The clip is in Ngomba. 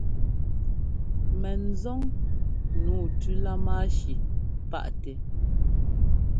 Mɛnzɔn nǔu tú lámáshi páʼtɛ́.